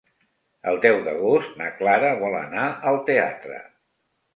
El deu d'agost na Clara vol anar al teatre.